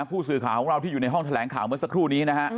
ผู้สื่อข่าวของเราที่อยู่ในห้องแถลงข่าวเมื่อสักครู่นี้นะฮะ